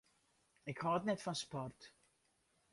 Ik hâld net fan sport.